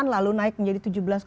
lalu naik menjadi tujuh belas